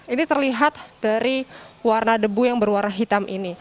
ini terlihat dari warna debu yang berwarna hitam ini